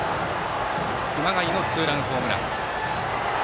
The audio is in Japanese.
熊谷のツーランホームラン。